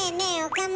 岡村。